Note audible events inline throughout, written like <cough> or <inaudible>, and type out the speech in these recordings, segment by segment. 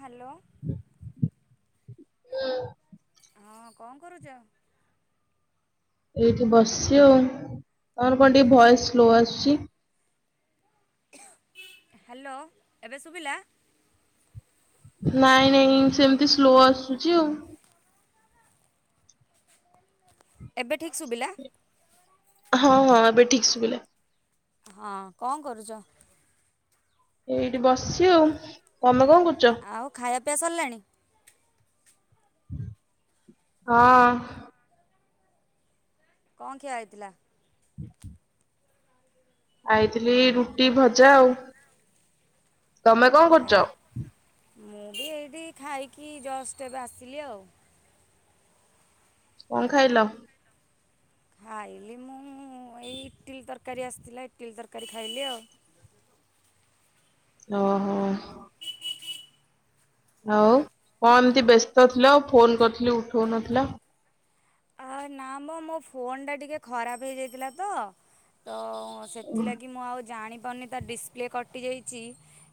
Hello. ହୁଁ। ହଁ କଣ କରୁଛ? ଏଇଠି ବସିଛି ଆଉ, ତମର କଣ ଟିକେ ଆଉ ଭଏସ ସ୍ଲୋ ଆସୁଛି। ହ୍ୟାଲୋ, ଏବେ ସୁବିଲା। ନାଇଁ ନାଇଁ ଉଁ ସେମିତି ସ୍ଲୋ ଆସୁଛି ଆଉ। ଏବେ ଠିକ୍ ଶୁଭିଲା? ହଁ ହଁ ଏବେ ଠିକ୍ ସୁଵିଲା। ହଁ, କଣ କରୁଛ? ଏଇଠି ବସି ଆଉ, ତମେ କଣ କରୁଛ? ଆଉ ଖାଇବା ପିଆ ସରିଲାଣି? ହଁ। କଣ ଖିଆ ହେଇଥିଲା? ହୁଁ ଆଇଥିଲି ରୁଟି ଭଜା ଆଉ, ତମେ? କଣ କରୁଛ? ଆଉ ମୁଁ ବି ଏଇଠି ଖାଇକି ଜଷ୍ଟ ଏବେ ଆସିଲି ଆଉ। କଣ ଖାଇଲ? ଖାଇଲି ମୁଁ ଏଇ ଇଟିଲ ତରକାରୀ ଆସିଥିଲା, ଇଟିଲି ତରକାରୀ ଖାଇଲି ଆଉ। ଓହୋ। ହାଉ କଣ ଏମତି ବ୍ୟସ୍ତ ଥିଲ, ଆଉ ଫୋନ କରିଥିଲି ଉଠଉନଥିଲ। ଆ ନା ମ ମୋ ଫୋନ ଟା ଟିକେ ଖରାପ ହେଇଯାଇଥିଲା ତ, ତ ସେଥିଲାଗି ମୁଁ ଆଉ ଜାଣିପାରୁନି ତ ଡିସପ୍ଲେ କଟିଯାଇଛି।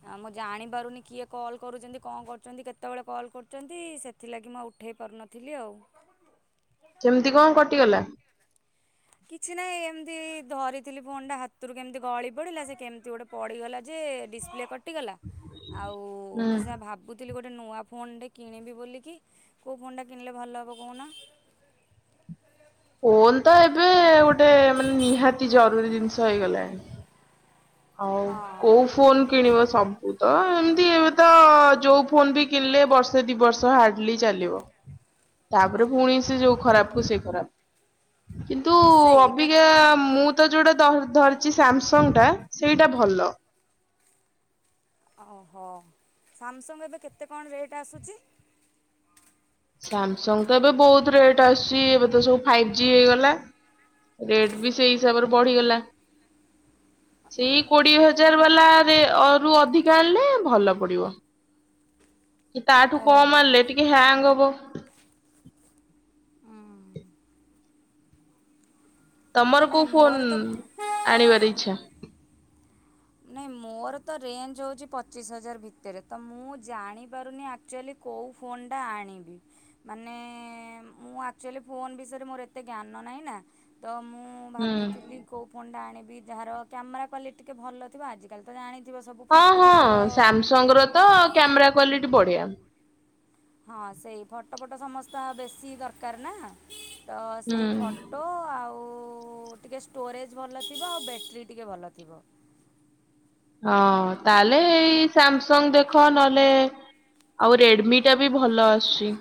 ଆ ମୁଁ ଜାଣି ପାରୁନି କିଏ କଲ୍ କରୁଛନ୍ତି, କଣ କରୁଛନ୍ତି କେତେବେଳେ କଲ୍ କରୁଛନ୍ତି, ସେ ସେଥିଲାଗି ମୁଁ ଆଉ ଉଠେଇ ପାରୁନଥିଲି ଆଉ। ସେମିତି କଣ କଟିଗଲା? କିଛି ନାହିଁ ଏମିତି ଧରିଥିଲି ଫୋନଟା, ହାତରୁ କେମିତି ଗଳି ପଡିଲା ସେ କେମତି ଗୋଟେ ପଡ଼ିଗଲା ଯେ ଡିସପ୍ଲେ କଟିଗଲା ଆଉ ହୁଁ ମୁଁ ସେ ଭାବେ ଭାବୁଥିଲି ଗୋଟେ ନୂଆ ଫୋନଟେ କିଣିବି ବୋଲିକି କେଉଁ ଫୋନ୍ଟା କିଣିଲେ ଭଲ ହେବ କହୁନ। ଫୋନ ତ ଏବେ ଗୋଟେ ମାନେ ନିହାତି ଜରୁରୀ ଜିନିଷ ହେଇଗଲାଣି। ଆଉ ହଁ କୋଉ। ଫୋନ କିଣିବ ସବୁ ତ ଏମିତି ଏବେ ତ ଯୋଉ ଫୋନ ବି କିଣିଲେ ବର୍ଷେ। ସେ ଦି ବର୍ଷ ହାର୍ଡଲି ଚାଲିବ ତାପରେ ପୁଣି ସେ ଯୋଉ ଖରାପ କୁ ସେ ଖରାପ। କିନ୍ତୁ ହଁ ସେଇଟା ଅବିକା ମୁଁ ତ ଯୋଉଟା ଧରିଛି ସାମସଙ୍ଗ ଟା ସେଇଟା ଭଲ। ଓହୋ ସାମସଙ୍ଗ ଏବେ କେତେ କଣ ରେଟ୍ ଆସୁଛି। ସାମସଙ୍ଗ ତ ଏବେ ବହୁତ ରେଟ୍ ଆସୁଛି ଏବେ ତ ସବୁ ଫାଇଭ୍ ଜି ହେଇଗଲା। ରେଟ୍ ବି ସେଇ ହିସାବରେ ବଢିଗଲା। ସେଇ କୋଡିଏ ହଜାର ବାଲା ରୁ ଅଧିକା ଆଣିଲେ ଭଲ। କି ତାଠୁ କମ ଓହୋ ଆଣିଲେ ଟିକେ ହ୍ୟାଙ୍ଗ ହବ। ହୁଁ। ଆଚ୍ଛା ତମର ନାଇଁ କୋଉ ଫୋନ୍ ମୋର ତ ଆଣିବାର ଇଛା। ନାଇଁ ମୋର ତ ରେଞ୍ଜ ହେଉଛି ପଚିଶ ହଜାର ଭିତରେ ତ ମୁଁ ଜାଣିପାରୁନି ଆକ୍ଚୁଆଲି। କେଉଁ ଫୋନ୍ଟା ଆଣିବି। ମାନେ ମୁଁ ଆକ୍ଚୁଆଲି ଫୋନ୍ ବିଷୟରେ ମୋର ଏତେ ଜ୍ଞାନ ନାହିଁ ନା ତ ମୁଁ। ହୁଁ ଭାବୁଥିଲି କୋଉ ଫୋନ୍ ଟା ଆଣିବି ଯାହାର କ୍ୟାମେରା କ୍ୱାଲିଟି ଟିକେ ଭଲ ଥିବ ଆଜି। ତମେ ଜାଣିଥିବ ସବୁ ହଁ ଫଟୋ ଫଟ। ହଁ ସାମସଙ୍ଗ ର ତ କ୍ୟାମେରା କ୍ଵାଲିଟି ବଢ଼ିଆ। ହଁ ସେଇ ଫଟୋ ଫଟୋ ସମସ୍ତ ବେଶୀ ଦରକାର ନା ତ ହୁଁ ସେଇ। ଫଟୋ ଆଉ ଟିକେଏ ଷ୍ଟୋରେଜ୍ ଭଲ ଥିବ ଆଉ ବ୍ୟାଟେରୀ ଟିକେ ଭଲ ଥିବ। ହଁ ତାହେଲେ ଏଇ ସାମ୍ ସଂଗ ଦେଖ ନହେଲେ ଆଉ ରେଡମି ଟା ବି ଭଲ ଆସୁଛି।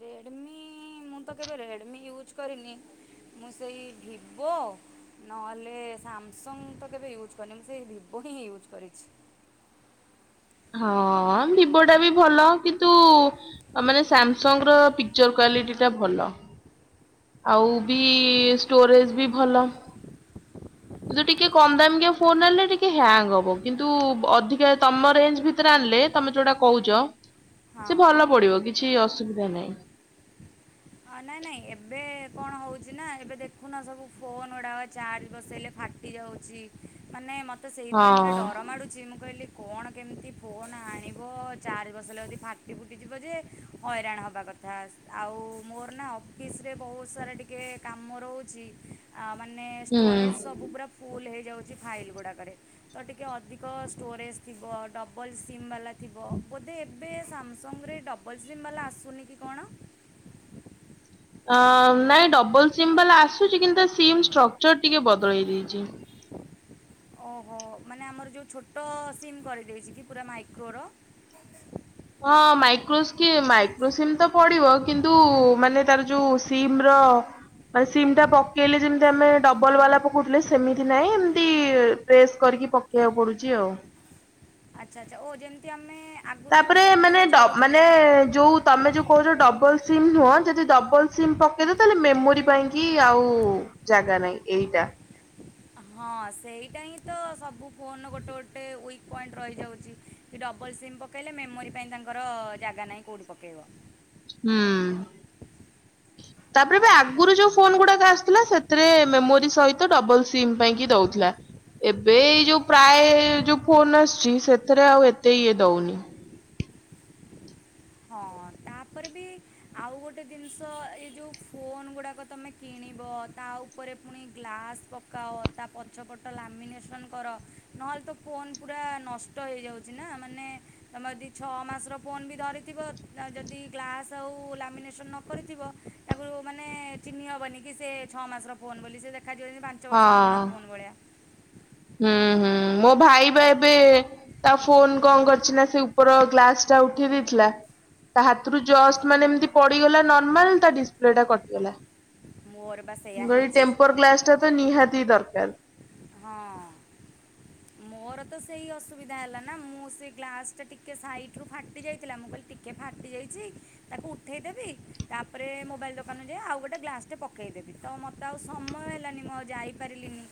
ରେଡ଼ମି ମୁଁ ତ କେବେ ରେଡ଼ମି ୟୁଜ୍ କରିନି। ମୁଁ ସେଇ ଭିବୋ। ନହେଲେ ସାମସଙ୍ଗ ତ କେବେ ୟୁଜ୍ କରିନି ମୁଁ ସେଇ ଭିବୋ ହିଁ ୟୁଜ୍ କରିଛି। ହଁ ଭିବୋ ଟା ବି ଭଲ କିନ୍ତୁ ମାନେ ସାମସଙ୍ଗ ର। ପିଚର କ୍ଵାଲିଟି ଟା ଭଲ ଆଉ ବି ଷ୍ଟୋରେଜ ବି ଭଲ। କିନ୍ତୁ ଟିକେ କମ ଦମ୍ କି ଫୋନ ଆଣିଲେ ଟିକେ ହ୍ୟାଙ୍ଗ ହବ କିନ୍ତୁ ଅଧିକା ତମ ରେଞ୍ଜ ଭିତରେ ଆଣିଲେ ତମେ ଯୋଉଟା କହୁଛ ସେ ହଁ। ଭଲ ପଡିବ କିଛି ଅସୁବିଧା ନାହିଁ ହ ନାଇଁ ନାଇଁ ଏବେ କଣ ହଉଛି ନା ଏବେ ଦେଖୁନା ସବୁ ଫୋନ ଗୁଡା ଚାର୍ଜ ବସେଇଲେ ଫାଟୁଚି ଫାଟି ଯାଉଛି ମାନେ ମୋତେ ସେଇପାଇଁ ଟିକେ ହଁ ଡର ମାଡ଼ୁଛି ମୁଁ କହିଲି କଣ କେମିତି ଫୋନ୍ ଆଣିବ ଚାର୍ଜ ବସେଇ ହେଲେ ଯଦି ଫାଟି ଫୁଟିଯିବ ଯେ ହଇରାଣ ହେବା କଥା। ବାସ୍ ମୋର ନା ଅଫିସରେ ବହୁତ ସାରା ଟିକେ କାମ ରହୁଛି। ଆ ମାନେ ଷ୍ଟୋରେଜ୍ ହୁଁ। ସବୁ ପୁରା ଫୁଲ୍ ହେଇଯାଉଛି ଫାଇଲ୍ ଗୁଡ଼ାକରେ ତ ଟିକିଏ ଅଧିକ ଷ୍ଟୋରେଜ୍ ଥିବ ଡବ। ଡବଲ୍ ସିମ୍ ବାଲା ଥିବ ବୋଧେ ଏବେ ସାମସଙ୍ଗରେ ଡବଲ୍ ସିମ୍ ବାଲା ଆସୁନି କି କଣ। <inaudible> ଅ ନାଇଁ ଡବଲ ସିମ୍ ବାଲା ଆସୁଛି କିନ୍ତୁ ସିମ୍ ଷ୍ଟ୍ରକ୍ଚର ଟିକେ ବଦଳେଇ ଦେଇଛି। ଓହୋ ମାନେ ଆମର ଯେଉଁ ଛୋଟ ସିମ୍ କରିଦେଇଛି କି ପୁରା ମାଇକ୍ରୋର। ହଁ ମାଇକ୍ର ମାଇକ୍ରୋ ସମ ତ ପଡିବ କିନ୍ତୁ ମାନେ ତାର ଯୋଉ ସିମ ର ସିମ୍ ଟା ପକେଇଲେ ଯେମିତି ଆମେ ଡବଲ ବାଲା ପକଉଥିଲେ ସେମିତି ନାହିଁ ଏମିତି ପ୍ରେସ୍ କରିକି ପକେ ବୁଝିବାକୁ ପଡୁଛି ଆଉ। ଆଚ୍ଛା ଆଚ୍ଛା ଓ ଯେମିତି ଆମେ ଆଗରୁ ଯେଉଁ ତାପରେ ଫୋନ୍ ମାନେ ୟୁଜ୍ ଡ କରୁଥିଲେ ମାନେ ଯୋଉ ତମେ ଯୋଉ କହୁଚ ଡବଲ୍ ସିମ୍ ନୁହଁ ଯଦି ଡବଲ୍ ସିମ୍ ପକେଇଦ ତାହେଲେ ମେମୋରି ପାଇଁକି ଆଉ ଜାଗା ନାହିଁ ଏଇଟା। ହଁ ସେଇଟା ହିଁ ତ ସବୁ ଫୋନ ଗୋଟେ ଗୋଟେ ଉଈକ ପଏଣ୍ଟ ରହିଯାଉଛି କି ଡବଲ୍ ସିମ୍ ପକେଇଲେ ମେମୋରି ପାଇଁ ତାଙ୍କର ଜାଗା ନାହିଁ କୋଉଠି ପକେଇବ। ହୁଁ ତାପରେ ବି ହଁ ଆଗରୁ ଯୋଉ ଫୋନ ଗୁଡାକ ଆସିଥିଲା ସେଥିରେ ମେମୋରି ସହିତ ଡବଲ ସିମ୍ ପାଇଁକି ଦଉଥିଲା। ଏବେ ଏଇ ଯୋଉ ପ୍ରାୟ ଯୋଉ ଫୋନ ଆସୁଛି ସେଥିରେ ଆଉ ଏତେ ଇଏ ଦଉନି। ହଁ ତାପରେ ବି ଆଉ ଗୋଟେ ଜିନଷ ଏ ଯୋଉ ଫୋନ ଗୁଡାକ ତମେ କିଣିବ ତା ଉ ଉପରେ ପୁଣି ଗ୍ଲାସ୍ ପକାଅ ତା ପଛପଟ ଲାମିନେସନ୍ କର ନହେଲେ ତ ଫୋନ ପୁରା ନଷ୍ଟ ହେଇଯାଉଛି ନା ମାନେ ତମର ଯଦି ଛଅ ମାସର ଫୋନ ବି ଧରି ଥିବ ଯଦି ଗ୍ଲାସ୍ ଆଉ ଲାମିନେସନ୍ ନ କରିଥିବ ତାକୁ ମାନେ ଚିନ୍ହି ହବନି କି ସେ ଛଅ ମାସର ଫୋନ୍ ବୋଲି ସେ ଦେଖାଯିବ ଯେମିତି ପାଞ୍ଚ ବର୍ଷ ପୁରୁଣା ହଁ ଫୋନ୍ ଭଳିଆ। ହୁଁ ହୁଁ ମୋ ଭାଇ ବା ଏବେ ତା ଫୋନ କଣ କରିଚି ନା ସେ ଉପର ଗ୍ଲାସ ଟା ଉଠେଇ ଦେଇଥିଲା ତା ହାତରୁ ଜଷ୍ଟ ମାନେ ଏମତି ନର୍ମାଲ ତା ଡିସପ୍ଲେ ଟା କଟିଗଲା। ମୋର ବା ସେଇଆ ଗୋଟେ ହେଇଛି ଟେମ୍ପର ଗ୍ଲାସ ଟା ତ ନିହାତି ଦରକାର। ହଁ। ମୋର ତ ସେଇ ଅସୁବିଧା ହେଲା ନା ମୁଁ ସେ ଗ୍ଲାସ ଟା ଟିକେ ସାଇଟ ରୁ ଫାଟି ଯାଇଥିଲା ମୁଁ କହିଲି ଟି ଟିକେ ଫାଟିଯାଇଛି ତାକୁ ଉଠେଇଦେବି ତାପରେ ମୋବାଇଲ ଦୋକାନରୁ ଯାଇ ଆଉ ଗୋଟେ ଗ୍ଲାସ ଟେ ପକାଇଦେବି। ତ ମତେ ଆଉ ସମୟ ହେଲାନି ମୁଁ ଆଉ ଯାଇପାରିଲିନି।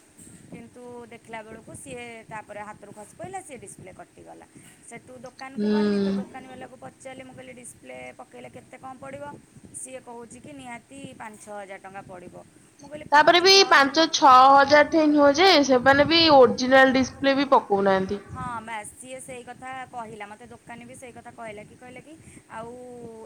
କିନ୍ତୁ ଦେଖିଲା ବେଳକୁ ସିଏ ତାପରେ ହାତରୁ ଖସି ପଇଲା ସିଏ ଡିସପ୍ଲେ କଟ କଟିଗଲା ସେଠୁ ଦୋକାନକୁ ଗଲି ତ ହୁଁ। ଦୋକାନୀ ବାଲାକୁ ପ ପଚାରଲି ମୁଁ କହିଲି ଡିସପ୍ଲେ ପକେଇଲେ କେତେ କଁ ପଡ଼ିବ ସିଏ କହୁଛି କି ନିହାତି ପାଞ୍ଚ ଛହ ହଜାର ଟଙ୍କା ପଡ଼ିବ ମୁଁ କହିଲି ପାଞ୍ଚ ତାପରେ ବି ଛଅ ହଜାର ପାଞ୍ଚ ଟ ଛଅ ହଜାର ଠେଇଁ ନୁହଁ ଯେ ସେମାନେ ବି ଓରିଜିନାଲ୍ ଡିସପ୍ଲେ ବି ପକଉନାହାଁନ୍ତି। ହଁ ବାସ ସିଏ ସେଇ କଥା କହିଲା ମତେ ଦୋକାନୀ ବି ସେଇ କଥା କହିଲା କି କହିଲା କି ଆଉ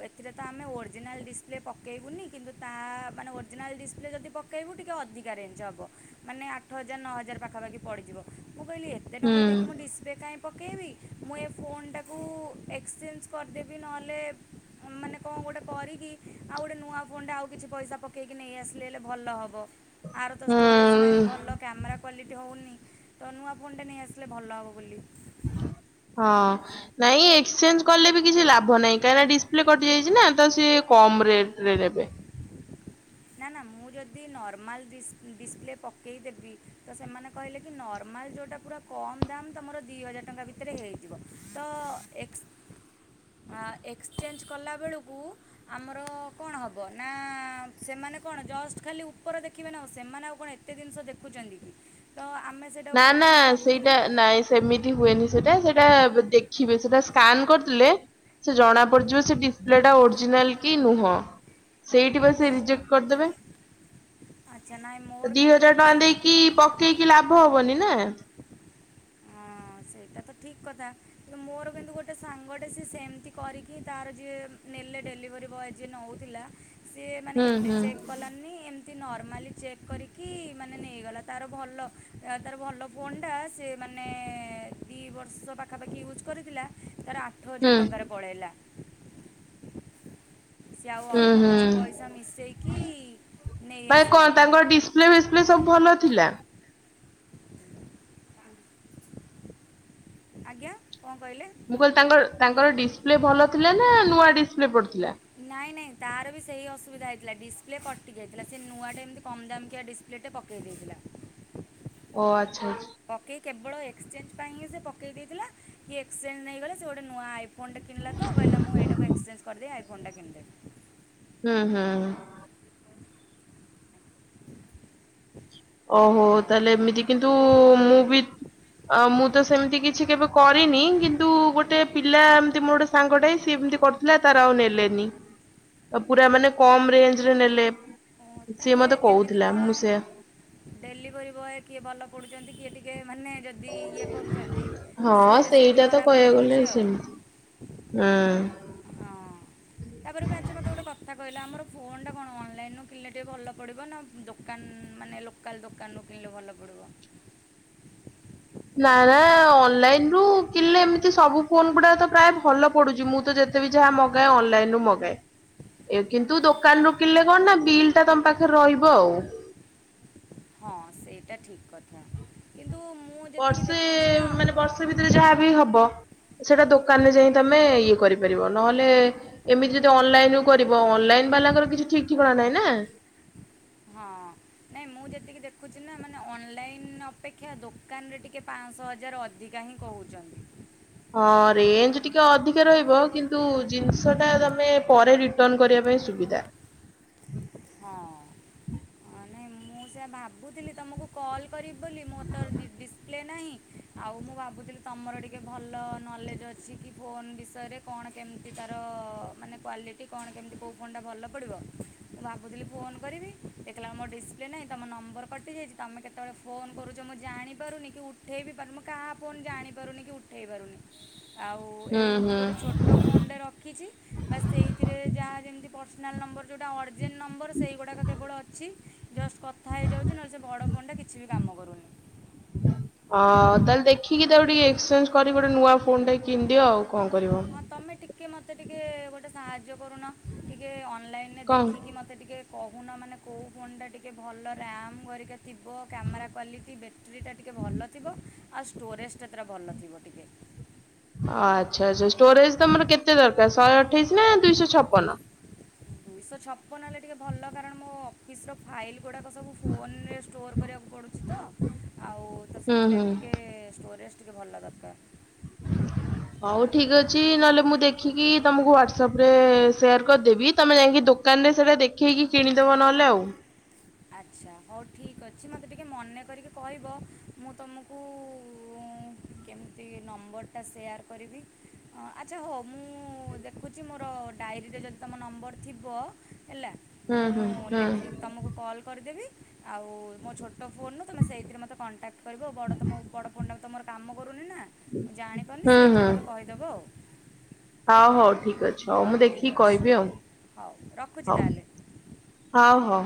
ଏ ଏଥିରେ ତ ଆମେ ଓରିଜିନାଲ୍ ଡିସପ୍ଲେ ପକେଇବୁନି କିନ୍ତୁ ତା ମାନେ ଓରିଜିନାଲ୍ ଡିସପ୍ଲେ ଯଦି ପ ପକେଇବୁ ଟିକେ ଅଧିକା ରେଞ୍ଜ ହବ ମାନେ ଆଠ ହଜାର ନଅ ହଜାର ପାଖାପାଖି ପଡ଼ିଯିବ ମୁଁ କହିଲି ଏ ଏତେ ହୁଁ ଟଙ୍କା ଦେଇକି ମୁଁ ଡିସପ୍ଲେ କାହିଁ ପକେଇବି ମୁଁ ଏ ଫୋନ୍ ଟାକୁ ଏକ୍ସଚେଞ୍ଜ କରିଦେବି ନହେଲେ ମାନେ କଁ ଗୋଟେ କରିକି ଆଉ ଗୋଟେ ନୂଆ ଫୋନ୍ ଟା ଆଉ କିଛି ପଇସା ପକେଇକି ନେଇଆସିଲେ ହେଲେ ଭଲ ହେବ। ଆର ତ ହୁଁ ଷ୍ଟୋରେଜ୍ ନାହିଁ ଭଲ କ୍ୟାମେରା କ୍ୱାଲିଟି ହଉନି ତ ନୂଆ ଫୋନଟେ ନେଇ ଆସି ଭଲ ହବ ବୋଲି। ହଁ। ନାଇଁ ଏକ୍ସଚେଞ୍ଜ କଲେ ବି କିଛି ଲାଭ ନାହିଁ କାହିଁକିନା ଡିସପ୍ଲେ କଟି ଯାଇଛି ନା ତ ସିଏ କମ ରେଟରେ ନେବେ। ନା ନା ମୁଁ ଯଦି ନର୍ମାଲ୍ ଡିସପ୍ଲେ ପକେଇଦେବି ତ ସେମାନେ କହିଲେ କି ନର୍ମାଲ୍ ଯୋଉଟା ପୁରା କମ୍ ଦାମ୍ ତମର ଦି ହଜାର ଟଙ୍କା ଭିତରେ ହେଇଯିବ। ତ ଏକ୍ ଏକ୍ସଚେଞ୍ଜ କଲାବେଳକୁ ଆମର କଣ ହବ ନା ସେମାନେ କଣ ଜଷ୍ଟ ଖାଲି ଉପର ଦେଖିବେ ନା ଆଉ ସେମାନେ ଆଉ କଣ ଏତେ ଜିନଷ ଦେଖୁଛନ୍ତି କି ତ ଆମେ ସେଇଟାକୁ ନା କ'ଣ କରିବା ନା ମୁଁ ଭାବୁଥିଲି ସେଇଟା ନାଇଁ ସେମିତି ହୁଏନି ସେଟା ସେଇଟା ଦେଖିବେ ସେଟା ସ୍କାନ କରିଦେଲେ ସେ ଜଣା ପଡିଯିବ ସେ ଡିସପ୍ଲେ ଟା ଓରିଜିନାଲ୍ କି ନୁହଁ। ସେଇଠି ବା ସେ ଆଚ୍ଛା ରିଜେକ୍ଟ କରିଦେବେ ଆଚ୍ଛା ନାଇଁ ମୋର ଦି କିନ୍ତୁ ହଜାର ଟଙ୍କା ଗୋଟେ ଦେଇକି କି ପକେଇକି ଲାଭ ହବନି ନା। ହଁ। ହଁ ସେଇଟା ତ ଠିକ୍ କଥା କିନ୍ତୁ ମୋର କିନ୍ତୁ ଗୋଟଏ ସାଙ୍ଗଟେ ସିଏ ସେମିତି କରିକି ତାର ଯିଏ ନେଲେ ଡେଲିଭରି ବୟ ଯିଏ ନେଉଥିଲା ସିଏ ମାନେ ହୁଁ ଏତେ ହୁଁ ଚେକ୍ କଲାନି ଏମିତି ନର୍ମାଲି ଚେକ୍ କରିକି ମାନେ ନେଇଗଲା ତାର ଭଲ ତାର ଭଲ ଫୋନଟା ସେ ମାନେ ଦୁଇ ବର୍ଷ ପାଖାପାଖି ୟୁଜ୍ କରିଥିଲା ତାର ଆଠ ହୁଁ ହଜାର ଟଙ୍କାରେ ପଳାଇଲା। ସେ ଆଉ ହୁଁ ଅଳ୍ପ ହୁଁ କିଛି ପଇସା ମିଶେଇକି ନେଇ ଆସିଲା। ସପ୍ଲେ ଫିସ୍ପ୍ଲେ ସବୁ ଭଲ ଥିଲା? ଆଜ୍ଞା କଣ କହିଲେ? ମୁଁ କହିଲି ତାଙ୍କର ତାଙ୍କର ଡିସପ୍ଲେ ଭଲ ଥିଲା ନା ନୂଆ ଡିସପ୍ଲେ ପଡିଥିଲା? ନାଇଁ ନାଇଁ ତାର ବି ସେହି ଅସୁବିଧା ହେଇଥିଲା ଡିସପ୍ଲେ କଟିକି ଯାଇଥିଲା ସେ ନୂଆଟା ଏମିତି କମ୍ ଦାମ୍କିଆ ଡ଼ି ପ୍ଲେଟେ ପକାଇ ଦେଇଥିଲା। ଓ ଆଚ୍ଛା ଆଛା। ପକେଇ କେବଳ ଏକ୍ସଚେଞ୍ଜ ପାଇଁ ହିଁ ସେ ପକାଇ ଦେଇଥିଲା କି ଏକ୍ସଚେଞ୍ଜ ନେଇଗଲେ ସେ ଗୋଟେ ନୂଆ ଆଇଫୋ ଫୋନ୍ ଟେ କିିଣିଲା ତ କହିଲା ମୁଁ ଏଇାକୁ ଏକ୍ସେଞ୍ଜଦେବ ଆଇ ଫୋନ ଟା କିଣିଦେବି। ହୁଁ ହୁଁ। ଓହୋ ଆଉ ତାହେଲେ ଏମିତି କିନ୍ତୁ ମୁଁ ବି ଅ ମୁଁ ତ ସେମିତି କିଛି କେବେ କରିନି କିନ୍ତୁ ଗୋଟେ ପିଲା ଏମିତି ମୋର ଗୋଟେ ସାଙ୍ଗଟେ ସିଏ ଏମିତି କର ତାର ଆଉ ନେଲେନି ପୁରା ମାନେ କମ୍ ରେଞ୍ଜ ରେ ନେଲେ। ଓ, ସିଏ ତାହେଲେ ମତେ କେମିତି କହୁଥିଲା କ'ଣ ମୁଁ ସେଆ ଡେଲିଭରି ବୟ କିଏ ଭଲ ପଡୁଚନ୍ତି କିଏ ଟିକେ ମାନେ ଯଦି ଇଏ କରୁଚନ୍ତି ସେ ହଁ ସେଇଠି ସେଇଟା ତ ଧରା କହିବାକୁ ଗଲେ ପଡ଼ିଯାଉଚି ଆଉ। ସେମିତି ହୁଁ। ହଁ ତାପରେ ବି ଆଛା ମତେ ଗୋଟେ କଥା କହିଲା ଆମର ଫୋନ୍ ଟା କଣ ଅନ୍ ଲାଇନୁ କିଣିଲେ ଟିକେ ଭଲ ପଡ଼ିବ ନା ଦୋକାନ ମାନେ ଲୋକ କାଲ୍ ଦୋକାନରୁ କିଣିଲେ ଭଲ ପଡିବ? ନା ନା ଅନଲାଇନ ରୁ କିଣିଲେ ଏମିତି ସବୁ ଫୋନ ଗୁଡା ତ ପ୍ରାୟ ଭଲ ପଡୁଚି ମୁଁ ତ ଯେତ ତେ ବି ଯାହା ମଗାଏ ଅନନ୍ଲାଇନ୍ ରୁ ମଗାଏ। ଏ କିନ୍ତୁ ଦୋକାନରୁ କିଣିଲେ କଣ ନା ବିଲ୍ ଟା ତମ ପାଖରେ ରହିବ ଆଉ। ହଁ ସେଇଟା ଠିକ କଥା କିନ୍ତୁ ମୁଁ ଯେତିକି ବର୍ଷେ ଦେଖୁଚି ନା ମାନେ ବର୍ଷେ ଭିତରେ ଯାହା ବି ହବ ସେଇଟା ଦୋକାନରେ ଯାଇଁ ତମେ ଇଏ କରିପାରିବ ନହେଲେ ଏମିତି ଯଦି ଅନଲାଇନ୍ ରୁ କରିବ ଅନଲାଇନ୍ ବାଲାଙ୍କର କିଛି ଠିକ୍ ଠିକଣା ନାହିଁ ନା ହଁ। ନାଇଁ ମୁଁ ଯେତିକି ଦେଖୁଚି ନା ମାନେ ଅନଲାଇନ୍ ଅପେକ୍ଷା ଦୋକାନରେ ଟିକେ ପାଞ୍ଚଶହ ହଜାର ଅଧିକା ହିଁ କହୁଚନ୍ତି। ହଁ ରେଞ୍ଜ ଟିକେ ଅଧିକା ରହିବ କିନ୍ତୁ ଜିନିଷ ଟା ତମେ ପରେ ରି ରିଟର୍ନ କରିବା ପାଇଁ ସୁବିଧା। ହଁ। ହଁ ନାହିଁ ମୁଁ ସେ ଭାବୁଥିଲି ତମକୁ କଲ୍ କରିବି ବୋଲି ମୋ ତୋର ଡ଼ି ଡିସପ୍ଲେ ନାହିଁ ଆଉ ମୁଁ ଭାବୁଥିଲି ତମର ଟିକେ ଭଲ ନଲେଜ୍ ଅଛି କି ଫୋନ୍ ବିଷୟରେ କଣ କେମିତି ତାର ମାନେ କ୍ଵାଲିଟି କଣ କେମିତି କୋଉ ଫୋନ୍ ଟା ଭଲ ପଡ଼ିବ। ମୁଁ ଭାବୁଥିଲି ଫୋନ କରିବି ଦେଖିଲା ବେଳକୁ ମୋ ଡିସପ୍ଲେ ନାହିଁ ତମ ନମ୍ବର କଟିଯାଇଛି। ତମେ କେତେ କେତେବେଳେ ଫୋନ୍ କରୁଛ ମୁଁ ଜାଣିପାରୁନି କି ଉଠାଇ ବି ପାରୁନି ମୁଁ କାହା ଫୋନ୍ ଜାଣିପାରୁନି କି ଉଠାଇ ପାରୁନି। ଆଉ ହୁଁ ଏମିତି ହୁଁ। ଗୋଟେ ଛୋଟ ଟ ଫୋନ ଟେ ରଖିଛି। ବାଶ୍ ସେଇଥିରେ ଯାହା ଯେମତି ପର୍ସନାଲ ନମ୍ବର ଯୋଉଟା ଅର୍ ଯେନ୍ ନମ୍ବର ସେଇଗୁଡ଼ାକ କେବଳ ଅଛି। ଜଷ୍ଟ କଥା ହେଇଯାଉଚି ନହେଲେ ସେ ବଡ଼ ଫୋନ ଟା କିଛି ବି କାମ କରୁନି। <unintelligible> ହଁ, ତାହେଲେ ଦେଖିକି ତାକୁ ଟିକେ ଏକ୍ସଚେଞ୍ଜ କରିକି। ଗୋଟେ ନୂଆ ଫୋନ ଟେ କିଣିଦିଅ ଆଉ କଣ କରିବ। ହଁ, ତମେ ଟିକେ ମତେ ଟିକେ ଗୋଟେ ସାହାଯ୍ୟ କରୁନ? ଟିକେ ଅନଲାଇନ୍ ରେ କଣ? ଦେଖିକି ମତେ ଟିକେ କହୁନ, ମାନେ କୋଉ ଫୋନ ଟା ଟିକେ ଭଲ ରାମ ହରିକା କ ଥିବ କ୍ୟାମେରା କ୍ୱାଲିଟି ବେଟ୍ରି ଟା ଟିକେ ଭଲ ଥିବ। ଆଉ ଷ୍ଟୋରେଜ୍ ଟା ତାର ଭଲ ଥିବ ଟିକେ। ଆଚ୍ଛା ଆଚ୍ଛା। ଷ୍ଟୋରେଜ୍ ତମର କେତେ ଦରକାର, ଶହେ ଅଠେଇଶି ନା ଦୁଇଶ ଛପନ? ଦୁଇଶ ଛପନ ହେଲେ ଟିକେ ଭଲ, କାରଣ ମୋ ଅଫିସ ର ଫାଇଲ୍ ଗୁଡ଼ାକ ସବୁ ଫୋନ୍ ରେ ଷ୍ଟୋର କରିବାକୁ ପଡୁଛି ତ। ଆଉ ତ ହୁଁ ହୁଁ। ସେଥିଲାଗି ଟିକେ ଷ୍ଟୋରେଜ୍ ଟିକେ ଭଲ ଦରକାର। <unintelligible> ହଉ ଠିକ୍ ଅଛି ନହେଲେ ମୁଁ ଦେଖିକି ତମକୁ ହ୍ଵାଟସଆପ ରେ ସେୟାର କରିଦେବି। ତମେ ଯାଇକି ଦୋ ଦୋକାନ ରେ ସେଇଟା ଦେଖେଇକି କିଣିଦବ ନହେଲେ ଆଉ। ଆଚ୍ଛା ହଉ ଠିକ୍ ଅଛି। ମୋତେ ଟିକେ ମନେ କରିକି କହିବ। ମୁଁ ତମକୁ କେମିତି ନମ୍ବର ଟା ସେୟାର୍ କରିବି? ହଁ, ଆଚ୍ଛା ହଉ ମୁଁ ଦେଖୁଛି ମୋର ଡାଏରୀରେ ଯଦି ତମ ନମ୍ବର ଥିବ ହେଲା। ହୁଁ ହୁଁ ମୁଁ ହୁଁ ଲେଖି ତମକୁ କଲ୍ କରିଦେବି ଆଉ ମୋ ଛୋଟ ଫୋନ୍ ରୁ ତମେ ସେଇଥିରେ ମୋତେ କଣ୍ଟାକ୍ଟ କରିବ ବଡ଼ ତମ ବଡ଼ ଫୋନ୍ ଟା ବି ତ ମୋର କାମ କରୁନି ନା ମୁଁ ଜାଣିପାରୁନି ହୁଁ ସେଇଥିରେ ହୁଁ। ମୋତେ କହିଦେବ ଆଉ। ହଉ ହଉ ଠିକ ଅଛି ହଉ ମୁଁ ଠିକ୍ ଦେଖିକି ଅଛି କହିବି ଆଉ ହଉ ରଖୁଛି ହଉ। ତାହେଲେ ହଉ ହଉ।